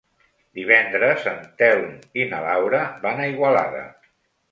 Divendres en Telm i na Laura van a Igualada.